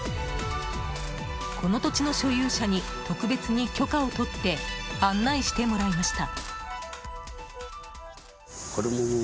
この土地の所有者に特別に許可をとって案内してもらいました。